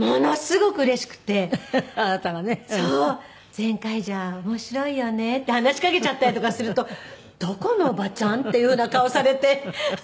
「『ゼンカイジャー』面白いよね」って話し掛けちゃったりとかすると「どこのおばちゃん？」っていう風な顔されて。